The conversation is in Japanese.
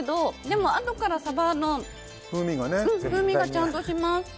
でも、あとからサバの風味がちゃんとします。